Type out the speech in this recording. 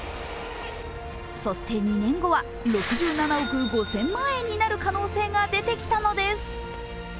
そして２年後は６７億５０００万円になる可能性が出てきたのです。